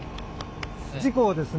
事故をですね